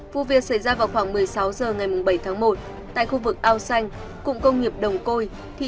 vụ việc xảy ra vào khoảng một mươi sáu h ngày bảy tháng một tại khu vực ao xanh cụng công nghiệp đồng côi